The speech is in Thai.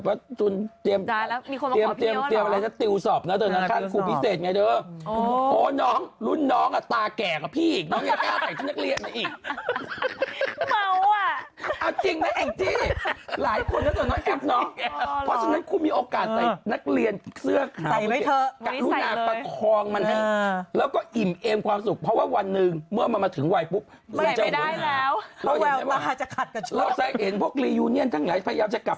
จากเมืองไทยสิจากเมืองไทยสิจากเมืองไทยสิจากเมืองไทยสิจากเมืองไทยสิจากเมืองไทยสิจากเมืองไทยสิจากเมืองไทยสิจากเมืองไทยสิจากเมืองไทยสิจากเมืองไทยสิจากเมืองไทยสิจากเมืองไทยสิจากเมืองไทยสิจากเมืองไทยสิจากเมืองไทยสิจากเมืองไทยสิจากเมืองไทยสิจากเมื